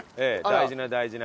大事な大事な。